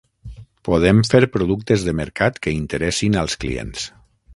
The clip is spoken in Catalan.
Podem fer productes de mercat que interessin als clients.